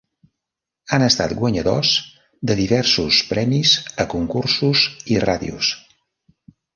Han estat guanyadors de diversos premis a concursos i ràdios.